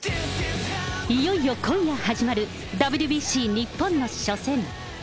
いよいよ今夜始まる、ＷＢＣ日本の初戦。